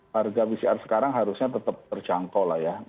harga pcr sekarang harusnya tetap terjangkau